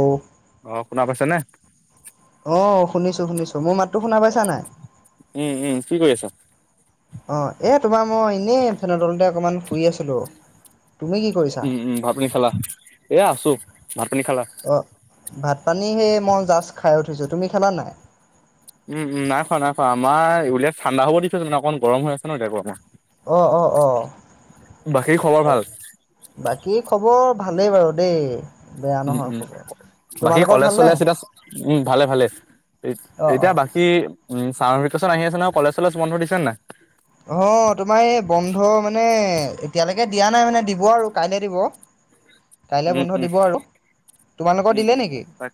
অ'। অ' শুনা পাইছা নে? অ' শুনিছো শুনিছো। মোৰ মাতটো শুনা পাইছা নাই? উম উম। কি কৰি আছা? অ' এ তোমাৰ মই, এনেই ফেনৰ তলতে অকমান শুই আছিলো। তুমি কি কৰিছা? উম উম। ভাতপানী খালা? এয়া আছো। ভাতপানী খালা? ভাত-পানী, সেই মই জাষ্ট খাই উঠিছোঁ। তুমি খালানে? উম উম, নাই খোৱা, নাই খোৱা। আমাৰ উলিয়াই ঠাণ্ডা হ'ব দি থৈছে মানে। অকণ গৰম হৈ আছে ন এতিয়া। অ' অ' বাকী খবৰ অ'। ভাল? বাকী খবৰ? ভালেই বাৰু দেই! বেয়া উম নহয় উম। খবৰ। বাকী তোমালোকৰ ভালনে? কলেজ-চলেজ এতিয়া, উম ভালে ভালে। অ' এতিয়া অ' বাকী, উম চামাৰ ভেকেচন আহি আছে নহয়! কলেজ-চলেজ বন্ধ দিছেনে নাই? অ' তোমাৰ এই বন্ধ মানে এতিয়ালৈকে তাকে দিয়া নাই মানে! দিব আৰু কাইলে দিব। কাইলৈ উম বন্ধ উম দিব আৰু। তোমালোকৰ উম দিলে উম, নেকি? হয়।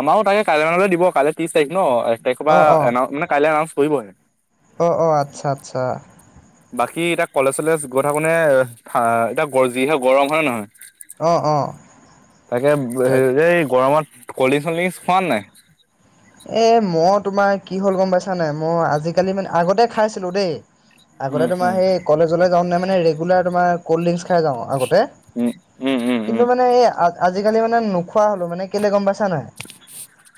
আমাৰো তাকে কাইলৈ মানে দিব। কাইলৈ ত্ৰিশ তাৰিখ ন? তাৰিখৰ পৰা অ' অ' এনাউ, মানে কাইলে এনাউন্স কৰিবহে! অ' অ' আচ্ছা আচ্ছা বাকী এতিয়া কলেজ-চলেজ গৈ থাকোনে! এ এতিয়া যিহে গৰম হয় নে নহয়? অ' অ' তাকে তাক এই গৰমত। কলড্ৰিংকচ-‌চলড্ৰিংকচ খোৱা নাই? এই মই তোমাৰ কি হ'ল গম পাইছা নাই! মই আজিকালি মানে আগতে খাইছিলোঁ দেই। আগতে উম, তোমাৰ উম। সেই কলেজলে যাওতে মানে, ৰেগুলাৰ তোমাৰ কলড্ৰি আগতে। উম, উম, উম, কিন্তু উম। মানে এই আজিকালি মানে নোখোৱা হ'লো মানে। কেলে গম পাই চা নাই?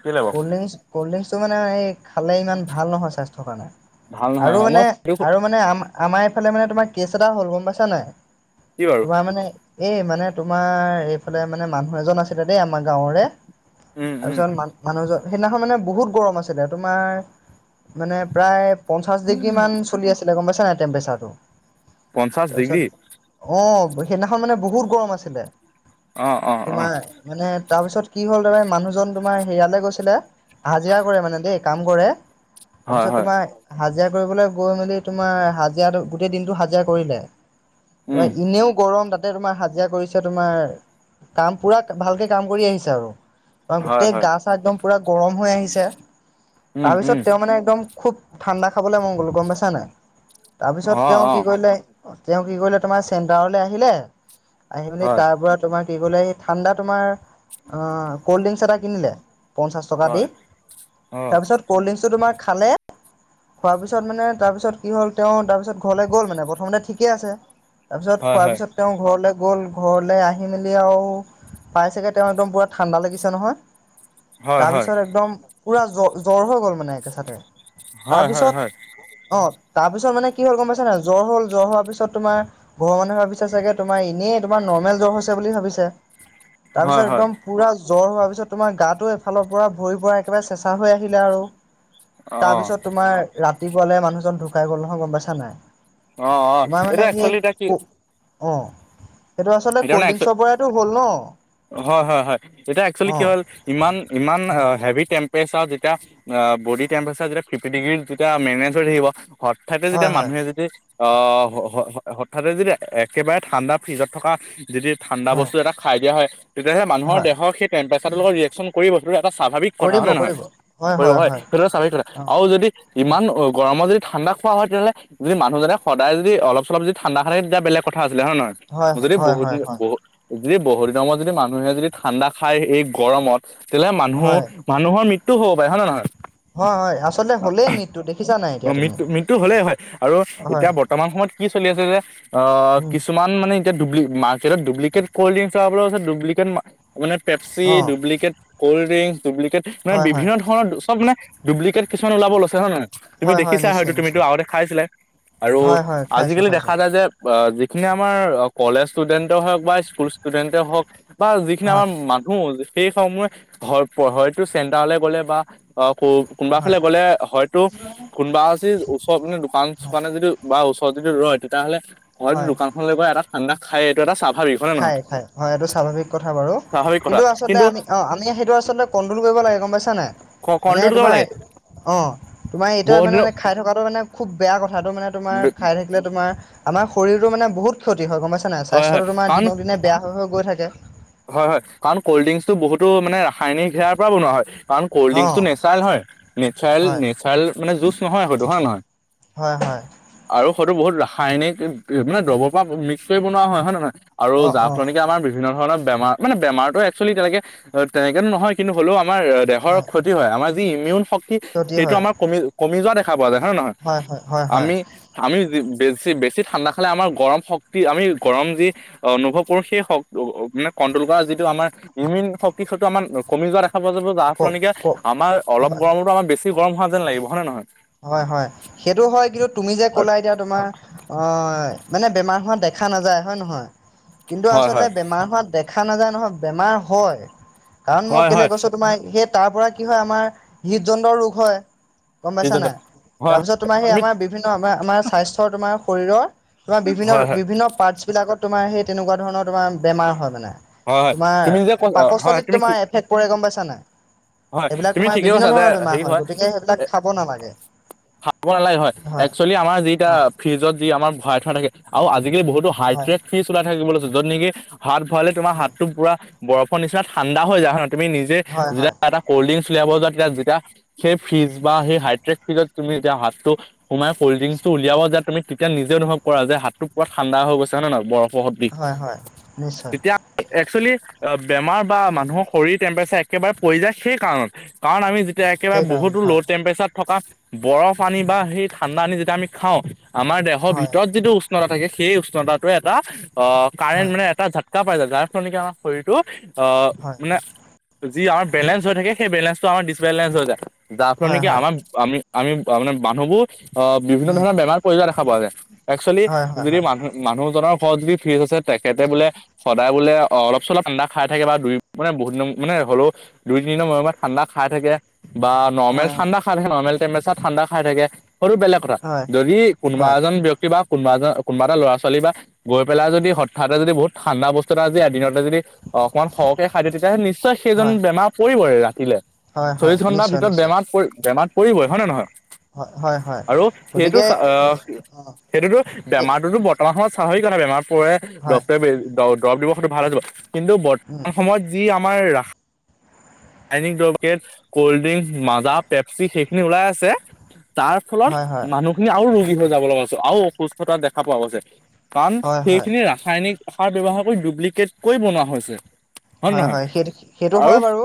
কেলে বাও? ক'ল্ডড্ৰিংকচ-ক'ল্ডড্ৰিংকচটো মানে এই খালে ইমান ভাল নহয় স্বাস্থ্যৰ কাৰণে। ভাল নহয় আৰু হয়, মানে, মই আৰু মানে আমাৰ আমাৰ এইফালে মানে তোমাৰ কেছ এটা হ'ল গম পাইছা নাই? কি বাৰু তোমাৰ মানে এই মানে তোমাৰ এইফালে মানে মানুহ এজন আছিলে দেই আমাৰ গাঁৱৰে। উম, তাৰপিছত মান-মানুহজন সেইদিনাখন মানে বহুত গৰম আছিলে। তোমাৰ মানে প্ৰায় পঞ্চাশ ডিগ্ৰী উম। মান চলি আছিলে। গম পাইছা নাই টেম্পৰেচাৰটো? পঞ্চাশ ডিগ্ৰী। তাৰপিছত, অ' সেইদিনাখন মানে বহুত গৰম আছিলে। অ', অ', অ'। তোমাৰ মানে, তাৰপিছত কি হ'ল তাৰে মানুহজন তোমাৰ হেৰিয়ালে গৈছিলে। হাজিৰা কৰে মানে দেই। কাম কৰে, হয়, তাৰপিছত হয়, তোমাৰ হাজিৰা কৰিবলৈ গৈ মেলি তোমাৰ, হাজিৰা গোটেই দিনটো হাজিৰা কৰিলে। উম, এনেও গৰম তাতে তে তোমাৰ হাজিৰা কৰিছে তোমাৰ, কাম পুৰা ভালকে কাম কৰি আহিছে আৰু। হয়, গোটেই হয়, গা-চা একদম পুৰা গৰম হৈ আহিছে। উম, তাৰপিছত উম, তেওঁ মানে একদম খুব ঠাণ্ডা খাবলৈ মন গ'ল গম পাইছা নাই? তাৰপিছত অ', তেওঁ কি অ', কৰিলে, অঁ তেওঁ কি কৰিলে তোমাৰ চেণ্টাৰলে আহিলে আহি পিনি হয়। তাৰ পৰা তোমাৰ ঠান্দা তোমাৰ কল্ডদ্ৰিংক এটা কিনিলে চকা দি হয়। অ', তাৰপিছত ক'ল্ড ড্ৰিংকছটো তোমাৰ খালে খোৱাৰ পিছত মানে তাৰপিছত কি হ'ল তেওঁ তাৰপিছত ঘৰলৈ গ'ল মানে প্ৰথমতে ঠিকে আছে তাৰপিছত হয়, খোৱাৰ হয়, পিছত তেওঁ ঘৰলৈ গ'ল ঘৰলে আহি মেলি আৰু পাই চাগে তেওঁ একদম পুৰা ঠাণ্ডা লাগিছে নহয় হয়, হয়, তাৰপিছত একদম পুৰা জ্ব জ্বৰ হৈ গ'ল মানে একেচাতে হয়, হয়, হয়, তাৰপিছত অঁ তাৰ পিছত মানে কি হল গম পাইছ ন জ্বৰ হল জ্বৰ হোৱাৰ পিছ তোাৰ ঘৰৰ মানুহে ভাবিছ চাগে তোমাৰ এনেইোমাৰ নেল জ্বৰ হৈছে বুলি ভাবিছে হয়, তাৰপিছত হয়, একদম পুৰা জ্বৰ হোৱাৰ পিছত তোমাৰ গাটো ফালৰ পৰা ভৰি পৰাৰা একেবাৰে চেচা হৈ আহিলে আৰু অ'। তাৰপিছত তোমাৰ ৰা ৰাতিপুৱালে মানুহজন ঢুকাই গ'ল নহয় গম পাইছ নাই অঁ অঁ তোমাৰ মানে এইটো সেই একচোৱেলি এটা কি অ' সেইটো আচলতে এতিয়া কল্ড মানে এক্সু ড্ৰিংকছৰ পৰাইতো হ'ল ন হয় হয় হয় এতিয়া এক্সুৱেলি অ কি হ'ল ইমান ইমান অ হেভিকে টেমপেচাৰ যেতিয়া অ বড়ি টেমপেচাৰ যেতিয়া ফিপটি ডিগ্ৰী যেতিয়া মেনেজ হৈ থাকিব হঠাতে যেতিয়া হয় হয় মানুহে যদি অ হঠাতে যদি একেবাৰে ঠাণ্ডা ফ্ৰিজত থকা যদি ঠাণ্ডা হয় বস্তু এটা খাই দিয়া হয় তেতিয়াহে মানুহৰ হয় দেহৰ সেই টেমপেচাৰটো লগত ৰিয়েকচন কৰিব সেইটো এটা স্বাভাৱিক কথা হয় নে নহয় কৰিব হয় সেইটো স্বাভাৱিক কথা অ আৰু যদি ইমান গৰমত যদি ঠাণ্ডা খোৱা হয় তেতিয়াহ'লে যদি মানুহজনে সদায় যদি অলপ চলপ যদি ঠাণ্ডা খাই থাকে তেতিয়া বেলেগ কথা আছিলে হয় নহয় হয় হয় হয় বহুদিন হয় বহু যদি বহুত দিনৰত যদি মানুহে যদি ঠাণ্ডা খায় এই গৰমত তেতিয়াহলে মানুহ হয় মানুহৰ মৃত্যু হ'ব পাৰে হয় নহয় হয় হয় আচলতে হলেই মৃত্যু দেখিছা নাই অ এতিয়া তুমি মৃত্যু মৃত্যু হ'লেই হয় আৰু হয় এতিয়া বৰ্তমান সময়ত কি চলি আছে যে অ উম কিছুমান মানে ডব্লি মাৰ্কেটত ডব্লিকেট কলডিংছ আহাৰ ফলত ডব্লিকেট মানে পেপচি অ ডব্লিকেট কলডিংচ্ ডব্লিকেট মানে হয় হয় বিভিন্ন ধৰণৰ চব মানে ডব্লিকেট কিছুমান ওলাব লৈছে হয় নে নহয়। তুমি হয় হয় দেখিছা নিশ্চয় হয়তো তুমিতো নিশ্চয় আগতে খাইছিলে আৰু হয় হয় খাইছো আজিকালি খাইছো দেখা যায় যে যি খিনি আমাৰ কলেজ ষ্টুডেণ্টে হওক বা স্কুল ষ্টুডেন্টে হওক বা যিখিনি হয় আমাৰ মানুহ সেই সমূহে হয়তো চেটাৰলে গ'লে বা অ কোনোবা হয় ফালে গ'লে হয়তো কোনবা যি ওচৰ দোকান হয় চোকানে যদি বা ওচৰত যদি ৰয় তেতিয়াহ'লে হয়টো হয় দোকানখনলৈ গৈ এটা ঠাণ্ডা খাই এইটো এটা স্বা খাই খাই হয় এইটো স্বাভাৱিক কথা বাৰু স্বাভাৱিক কথা কিন্তু আচলতে আমি অ আমি সেইটো আচলতে কন্ট্ৰল কৰিব লা গম পাইছা নাই মানে কণ্ট্ৰল কৰিব তোমাৰ লাগে অ তোমাৰ এইটো বহুত দিনৰ মানে খাই থকাটো মানে খুব বেয়া কথাটো মানে তোমাৰ খাই থাকিলে তোমাৰ আমাৰ শৰীৰতো মানে বহুত ক্ষতি হয় গম পাইছ নে হয় হয় স্বাস্থ্যটো তোমাৰ কাৰণ দিনক দিনে বেয়া হৈ গৈ থাকে হয় হয় কাৰণ কলড্ৰিংচটো বহুতো মানে ৰাসায়নিক সেৱাৰ পৰা বনোৱা হয় কাৰণ অ কলড্ৰিংকটো নেচাৰেল হয় নেচাৰেল হয় নেচাৰেল মানে জুচ নহয় হয়টো হয় নে নহয় হয় হয় আৰু হয়টো বহুত ৰা ৰাসায়নিক মানে দবৰ পৰা মিক্স কৰি বনোৱা হয় নে নহয় আৰু অ যাৰ অ ফলত নেকি আমাৰ বিভিন্ন ধৰণৰ বেমাৰ মানে বেমাৰতটো এক্সুৱেলি তেনেকে তেনেকেতো নহয় কিন্তু হ'লেও আমাৰ দেহৰ ক্ষতি হয় আমাৰ যি ইমিউন শক্তি ক্ষতি সেইটো হয় আমাৰ কমি কমি যোৱা দেখা পোৱা যায় যি হয়ে নহয় হয় হয় হয় হয় আমি আমি বেছি বেছি ঠাণ্ডা খালে আমাৰ গৰম শক্তি আমি গৰম যি অনুভৱ কৰোঁ সেই শ মানে কণ্ট্ৰল কৰা যিটো আমাৰ ইমিউন শক্তি হয়টো আমাৰ কমি যোৱা দে যাব যাৰ ক ফলত নেকি ক আমাৰ অলপ হয় গৰমত আমাৰ বেছি গৰম হোৱা যেন লাগিব হয় নে নহয় হয় হয় সেইটো হয় কিন্তু তুমি যে আৰু ক'লা এতিয়া তোমাৰ অ মানে বেমাৰ হোৱা দেখা নাযায় হয় নহয় কিন্তু হয় আচলতে হয় বেমাৰ হোৱা দে দেখা নাযায় নহয় বেমাৰ হয় কাৰণ মই হয় কেলে হয় কৈছো তোমাৰ তাৰ পৰা কি হয় আমাৰ হৃদযন্ত্ৰ ৰোগ হয় বুজিছা হৃদযন্ত্ৰ, নাই হয় তাৰপিছত হয় তোমাৰ সেই তুমি আমাৰ বিভিন্ন আমাৰ আমাৰ স্বাস্থ্যৰ তোমাৰ শৰীৰৰ তোমাৰ বিভিন্ন হয় হয় বিভিন্ন পাৰ্টছ বিলাকত তোমাৰ সেই তেনেকোৱা ধৰণৰ তোমাৰ বেমাৰ হয় মানে হয় হয় তোমাৰ তুমি যে ক হয় পাকস্থলিত তুমি তোমাৰ ঠিক এফেক্ট কৰে গম পাইছা নাই হয় সেইবিলাক তুমি তোমাৰ ঠিকেই বিভিন্ন কৈছা যে ধৰণৰ বেমাৰ হেৰি হয় গতিকে সেইবিলাক খাব নালাগে খাব নালাগে হয় এক্সুৱেলি আমাৰ যিটো অ ফ্ৰিজত যি আমাৰ ভৰাই থোৱা থাকে আৰু আজি আজিকালি বহুতো হয় হাইড্ৰেট ফ্ৰীজ ওলাই থাকিব যত নেকি হাত ভৰালে তোমাৰ উম হাতটো পুৰা বৰফৰ নিচিনা ঠাণ্ডা হৈ যায় হয় নাই তুমি নিজেই হয় যেতিয়া হয় এটা কলডিংছ উলিয়াব যোৱা যেতিয়া সেই ফ্ৰিজ বা সেই হাইড্ৰেট ফ্ৰীজত তুমি হাতটো সোমাই কলড্ৰিংচটো উলিয়াব যোৱা তুমি তেতিয়া নিজে অনুভৱ কৰা যে হাতটো পোৱা ঠাণ্ডা হৈ গৈছে হয় নে নহয় বৰফ বহুত বিষ হয় হয় নিশ্চয় তেতিয়া একচুৱেলি বেমাৰ বা মানুহৰ শৰীৰ টেম্পাৰেচাৰ একেবাৰে পৰি যায় সেই কাৰণে কাৰণ আমি তেতিয়া একেবাৰে সেইকাৰণত বহুতো হয় ল' টেম্পৰেচাৰত থকা বৰফ আনি বা সেই ঠাণ্ডা আনি যেতিয়া আমি খাওঁ আমাৰ দেহৰ হয় ভিতৰত যিটো উষ্ণতা থাকে সেই উষ্ণতাৱে এটা অ কাৰেণ্ট হয় মানে এটা ঝাটকা পাই যায় যাৰ ফলতকি আমাৰ শৰীৰটো অহ হয় মানে যি আমাৰ বেলেঞ্চ হৈ থাকে সেই বেলেঞ্চটো আমাৰ ডিচবেলেঞ্চ হৈ যায় যাৰ ফলত হয় নেকি হয় আমাৰ আমি আমি মানে মানুহবোৰ আহ বিভিন্ন উম ধৰণৰ বেমাৰ পৰি যোৱা দেখা পোৱা যায় একচুৱেলি হয় হয় যদি হয় মানুহ মানুহজনৰ ঘৰত যদি ফ্ৰীজ আছে তেখেতে বোলে সদায় বোলে অলপ চলপ ঠাণ্ডা খাই থাকে বা দুই মান বহুত দিন মানে হলেও দুই তিনদিনৰ মূৰে মূৰে ঠাণ্ডা খাই থাকে বা নৰ্মেল হয় হয় ঠাণ্ডা খাই থাকে নৰ্মেল টেম্পাৰচাৰ ঠাণ্ডা খাই থাকে সৰু বেলেগ কথা হয় যদি কোনোবা হয় এজন ব্যক্তি বা কোনোবা এজন কোনোব এটা ল'ৰা ছোৱালী বা গৈ পেলাই যদি হঠাতে যদি বহুত ঠাণ্ডা বস্তু এটা আজি এ দিনত যদি অকনমান সৰহকে খাই দিয়ে তেতিয়াহ'লে নিশ্চয় সেইজন হয় বেমাৰ পৰিবই ৰাতিলে হয় হয়, চল্লিশ ঘণ্টাৰ নিশ্চয় ভিতৰত নিশ্চয় বেমাৰ পৰি বেমাৰ পৰিবই হয় নে নে নহয় হয় হয় হয় আৰু সেইটো গতিকে চ অহ অ সেইটোতো সেই বেমাৰটোতো বৰ্তমান সময়ত বেমাৰ পৰে হয় ডক্তৰে বে দৰৱ দিব ভাল হৈ যাব কিন্তু উম বৰ্তমান সময়ত যি আমাৰ ৰাস কল্ড ড্ৰিংক মাজা পেপচি সেইখিনি ওলাই আছে তাৰ ফলত হয় হয় মানুহখিনি আৰু ৰোগী হৈ যাব লগাছে আৰু অসুস্থতা দেখা পোৱা গৈছে কাৰণ হয় হয় সেইখিনি ৰাসায়নিক সাৰ ব্যৱহাৰ কৰি ডুপ্লিকেটকৈ বনোৱা হৈছে হয় নহয় সেইটো সেইটো আৰু হয় বাৰু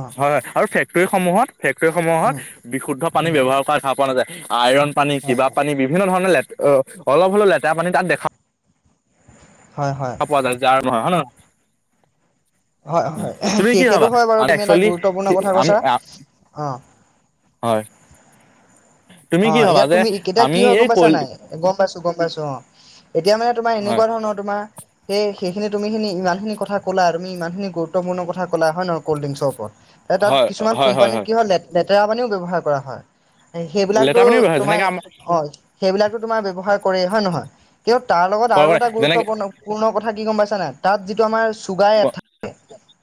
অ হয় হয় আৰু ফেক্টৰীসমূহত ফেক্টৰীসমূহত উম বিশুদ্ধ পানী উম ব্যৱহাৰ কৰা দেখা পোৱা নাযায় আইৰন পানী হয় কিবা হয় পানী বিভিন্ন ধৰণৰ লে অলপ হলেও লেতেৰা পানী তাত দেখা হয় হয় অ পোৱা যায় আৰু হয় নে নহয় হয় হয় উ তুমি সেই কি সেইটো ভাবা হয় বাৰু আমি তুমি এটা একচলি গুৰুত্বপূৰ্ণ কথা আমি কৈছা অ', হয় তুমি অ কি ভাবা এতিয়া যে তুমি কেতিয়া কি আমি হয় এই গম পাইছা কল নাই গম গম পাইছো গম পাইছো অ এতিয়া মানে তোমাৰ হয় এনেকোৱা ধৰণৰ তোমাৰ সেই সেইখিনি তুমি খিনি যিমানখিনি কথা কলা তুমি ইমানখিনি গুৰুত্বপূৰ্ণ কথা কলা হয় নহয় কল্ড্ৰিংছৰ ওপৰত তাত কিছুমান কোম্পানীত কি হয় লেতেৰা পানীও ব্যৱহাৰ কৰা হয় সেইবিলাকতো লেতেৰা পানী ব্যৱহাৰ তোমাৰ যেনেকে আমাৰ অ সেইবিলাকতো তোমাৰ ব্যৱহাৰ কৰে হয় নহয় কিয় তাৰ লগত আৰু এটা যেনেকে গুৰুত্বপূৰ্ণ পূৰ্ণ কথা কি গম পাইছা নাই তাত যিটো আমাৰ চুগাৰ থাকে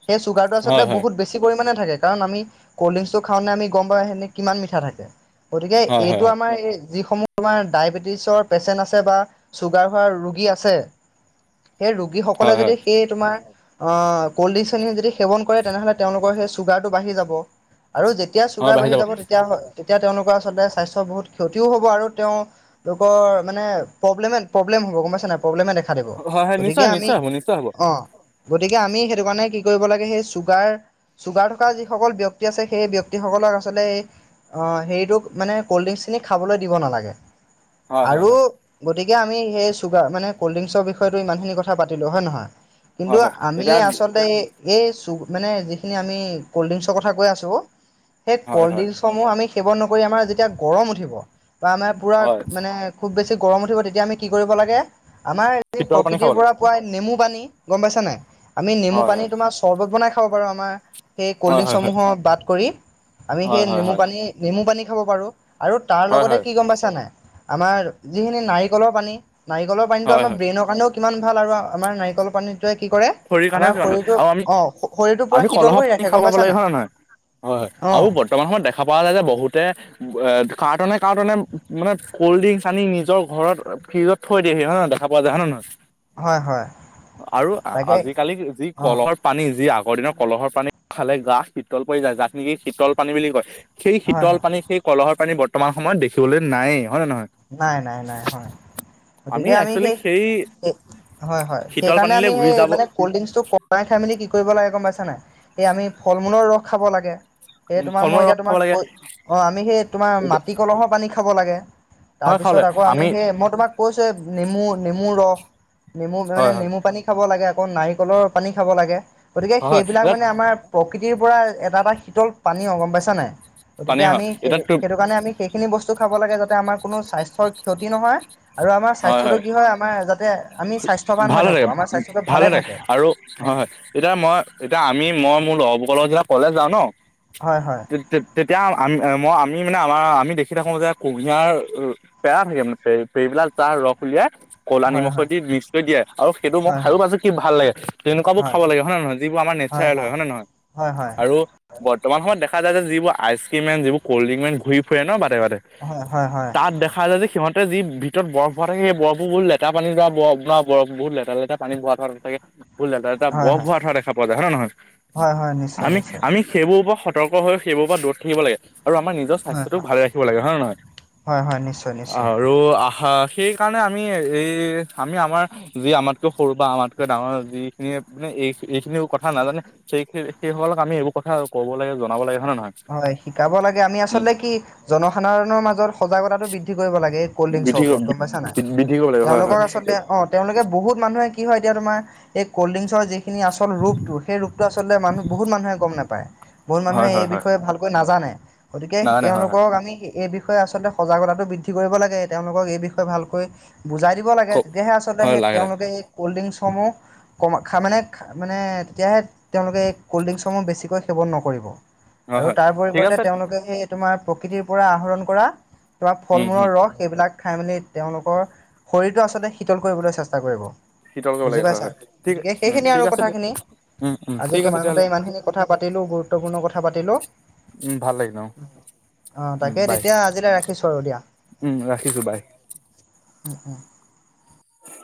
হেই চুগাৰ টো আচলতে হয় হয় বহুত বেছি পৰিমাণে থাকে কাৰণ আমি কল্ড ড্ৰিংছৰ খাও নে আমি গম পাও এনে কিমান মিঠা থাকে গতিকে হয় হয় এইটো হয় আমাৰ এই যিসমূহ আমাৰ ডায়েবেটিছৰ পেচেণ্ট আছে বা ছুগাৰ হোৱা ৰোগী আছে সেই ৰোগী সকলে হয় যদি হয় সেই তোমাৰ অ কল্ড ড্ৰিংকচ যদি সেৱন কৰে তেনেহ'লে তেওঁলোকৰ সেই চুগাৰটো বাঢ়ি যাব আৰু যেতিয়া চুগাৰ বাঢ়ি যাব তেতিয়া হয় তেতিয়া তেওঁলোক আলতে স্বাস্থ্যৰ বহুত ক্ষতিও হ'ব আৰু তেওঁলোকৰ মানে প্ৰব্লেমে প্ৰব্লেম হব। প্ৰব্লেময়ে দেখা দিব হয় হয় গতিকে নিশ্চয় আমি নিশ্চয় হ'ব নিশ্চয় হ'ব অ গতিকে আমি সেইটো কাৰণে কি কৰিব লাগে, সেই চুগাৰ চুগাৰ থকা যিসকল ব্যক্তি আছে সেই ব্যক্তিসকল আচলতে সেই আ হেৰিটোক মানে কল্ড ড্ৰিংকচ খিনি খাবলে দিব নালাগে। হয় হয় আৰু হয় এতিয়া আমি সেই চুগাৰানে কল্ড্ৰিংককৰৰ বিষয়টো ইমানখিনি কথা পালো হয় নহয়? কিন্তু হয় হয় আমি এতিয়া আচলতে এই চু মানে যিখিনি আমি ক'ল্ড ড্ৰিংকছৰ কথা কৈ আছোঁ সেই হয় ক'ল্ড হয় ড্ৰিংকছসমূহ আমি সেৱল নকৰি আমাৰ যেতিয়া গৰম উঠিব বা আমাৰ পুৰা হয় মানে খুব বেছি গৰম উঠিব তেতিয়া আমি কি কৰিব লাগে আমাৰ এই শীতল পানী প্ৰকৃতিৰ খাব পৰা লাগে পোৱা নেমু পানী গম পাইছা নাই আমি নেমু হয় হয় পানী তোমাৰ চৰ্বত বনাই খাব পাৰো আমাৰ সেই ক'ল্ড হয় হয় ড্ৰিংকছসমূহৰ বাদ কৰি আমি হয় সেই হয় নেমু হয় পানী নেমু পানী খাব পাৰোঁ। আৰু তাৰ হয় হয় লগতে হয় কি গম পাইছা নাই? আমাৰ যিখিনি নাৰিকলৰ পানী নাৰিকলৰ পানীটো হয় আমাৰ হয় ব্ৰেইনৰ কাৰণেও কিমান ভাল আৰু আমাৰ নাৰিকলৰ পানীত কি কৰে শৰীৰ আমাৰ কাৰণেও কিমান হ'ল শৰীৰটো আৰু আমি অ শৰীৰটো পুৰা আমি শীতল কলহৰ কৰি পানী ৰাখে খাব গম পাব পাইছা লাগে নাই? হয় নে হয় হয় অ আৰু বৰ্তমান সময়ত দেখা পোৱা যায় যে বহুতে কাৰ্টনে কাৰ্টনে মানে কল্ড ড্ৰিংকচ আনি নিজৰ ঘৰত ফ্ৰিজত থৈ দিয়েহি হয় নহ খাবা যা হয় নহয়! হয় হয়। আৰু তাকে আজিকালি যি অ কলৰ পানী যি আগৰ দিনৰ কলহৰ পানী খালে গা হিতল পৰি যায় যাক নেকি হিতল পানী বুলি কয়। সেই হয় শীতল হয় পানী সেই কলহৰ পানী বতমান সময়ত দেখিবলৈ নায়েই। হয় নে নহয় নাই নাই নাই হয়। গতিকে আমি সেই হয় হয় শীতল সেইকাৰণে পানীলৈ আমি ঘূৰি সেই যাব মানে কল্ড ড্ৰিংকটো কমাই খাই মেলি কি কৰিব লাগে গম পাইছা নাই, এই আমি ফল মূলৰ ৰস খাব লাগে। সে তোমাক ফল মই মূল এতিয়া ৰস খাব তোমাক কৈ অ আমি সেই তোমাৰ লাগে মাটিকলহৰ পানী খাব লাগে। তাৰ হয় খাবলৈ পিছত আকৌ আমি সেই মই তোমাক কৈছো নেমু নেমু ৰস নেমু মানে হয় হয় নেমু পানী খাব লাগে আকৌ নাৰিকলৰ পানী খাব লাগে। গতিকে হয় হয় সেইবিলাক এটাত মানে আমাৰ প্ৰকৃতিৰ পৰা এটা এটা শীতল পানী গম পাইছা নাই? পানী গতিকে হয় আমি সেই এতিয়া তোৰ সেইটো কাৰণে আমি সেইখিনি বস্তু খাব লাগে যাতে আমাৰ কোনো স্বাস্থ্যৰ ক্ষতি নহয়। আৰু আমাৰ স্বাস্থ্যটো কি হয় আমাৰ যাতে আমি স্বাস্থ্যৱান ভাল হৈ থাকে থাকো আমাৰ স্বাস্থ্যটো ভাল ভালে হৈ থাকে। আৰু হয় হয় এতিয়া মই এতিয়া আমি মই মোৰ লগ কলেজ যাওঁ নহ, হয় হয় তে তেতিয়া আক আমি আমি মানে আমাৰ আমি দেখি থাকো যে কুঁহিয়াৰ পেৰা থাকে মানে পেৰবিলাক তাৰ ৰস উলিয়াই ক'লা হয় হয় নিমখ হয় দি মিক্স কৰি দিয়ে আৰু সেইটো মই হয় খায়ো পছো কি ভাল লাগে, তেনেকুৱাবোৰ হয় খাব লাগে হয় নহয় যিবোৰ আমাৰ নেচাৰেল হয় হয় নে নহয় হয় হয় আৰু বৰ্তমান সময়ত ত যিবোৰ আইচক্ৰীম মান যিবোৰ কল্ড্ৰং মান ঘৰি ফুৰে ন বা বাতে বাতে হয় হয় তাত দেখা যায় যে সিহঁতে যি ভিত ভিতত বৰফ হোৱা থাকে সেই বফ বুত লেৰা পানী য বফ বৰ বহুত লেৰা লেতেৰা পানী বোৱা ধাকে ব এটা হয় বৰ হয় বৰফ ঠোৱা দেখা পোৱা যায় হয় নহয়, হয় হয় নিশ্চয় আমি নিশ্চয় আমি সেইবোৰ ওপৰত সতৰ্ক হৈ সেইবোৰৰ পৰা দূৰত থাকিব লাগে। আৰু আমাৰ নিজৰ হয় স্বাস্থ্যটো হয় ভালে ৰাখিব লাগে হয় নে নহয়? হয় হয় নিশ্চয় নিশ্চয় আৰু সেইকাৰণে আমি এই আমি আমাৰ যি আমাতকৈ সৰু বা আমাতকৈ ডাঙৰ যিখিনি মানে এই এইখিনি কথা নাজানে সেই সেই সকলক আমি এইবোৰ কথা ক'ব লাগে জনাব লাগে। হয় নে নহয়? হয় শিকাব লাগে আমি উম আচলতে কি জনসাধাৰণৰ মাজত সজাগতাটো বৃদ্ধি কৰিব লাগে এই কল্ড ড্ৰিংকচৰ বৃদ্ধি উপৰত গম পাইছা নাই? বৃদ্ধি কৰিব লাগে হয় হয় তেওঁলোকক আচলতে অ তেওঁলোকে বহুত মানুহে কি হয় এতিয়া তোমাৰ এই কল্ড ড্ৰিংকচৰ যিখিনি আচল ৰূপটো সেই ৰূপটো আচলতে মানুহ বহুত মানুহে গম নাপায় বহুত মানুহে হয় এই হয় হয় বিষয়ে ভালকৈ নাজানে গতিকে নাজানে হয় হয় তেওঁলোকক আমি এই বিষয়ে বিষয়ে আচলতে সজাগতাটো বৃদ্ধি কৰিব লাগে, তেওঁলোকক এই বিষয়ে ভালকৈ বুজাই দিব লাগে ক তেতিয়াহে আচলতে হয় সেই লাগে লাগে তেওঁলোকে এই কল্ড ড্ৰিংকছ সমূহ কমা খামানে মানে তেতিয়াহে তেওঁলোকে এই কল্ড ড্ৰিংকছসমূহ বেছিকৈ সেৱন নকৰিব হয় আৰু হয় তাৰ ঠিক পৰিৱৰ্তে আছে তেওঁলোকে সেই তোমাৰ প্ৰকৃতিৰ পৰা আহৰণ কৰা তোমাৰ ফল উম হম মূলৰ ৰস সেইবিলাক খাই মেলি তেওঁলোকৰ শৰীৰটো আচলতে শীতল কৰিবলৈ চেষ্টা কৰিব শীতল কৰিব লাগে বুজি হয় পাইছা হয় ঠিক গতিকে উম সেইখিনি ঠিক আৰু আছে কথা খিনি উম উম আজি ঠিক আছে তোমাৰ তেতিয়াহ'লে সৈতে ইমান খিনি কথা পাতিলো গুৰুত্বপূৰ্ণ কথা পাতিলো উম ভাল লাগিল। অ অ উম তাকে বাই তেতিয়া আজিলৈ ৰাখিছো আৰু দিয়া উম ৰাখিছোঁ বাই উম উম